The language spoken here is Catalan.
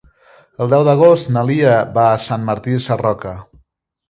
El deu d'agost na Lia va a Sant Martí Sarroca.